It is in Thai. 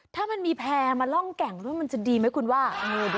ถ้ามันมีแพร่มาร่องแก่งด้วยมันจะดีไหมคุณว่า